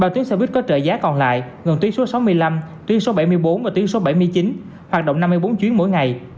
ba tuyến xe buýt có trợ giá còn lại gần tuyến số sáu mươi năm tuyến số bảy mươi bốn và tuyến số bảy mươi chín hoạt động năm mươi bốn chuyến mỗi ngày